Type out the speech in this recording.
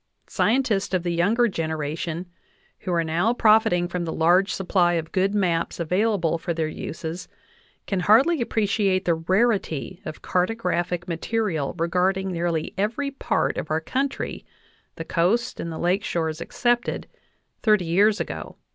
Scientists of the younger generation, who are now profit ing from the large supply of good maps available for their uses, can hardly appreciate the rarity of cartographic material regarding nearly every part of our country the coasts and the lake shores excepted thirty years ago.